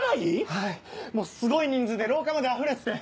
はいもうすごい人数で廊下まであふれてて。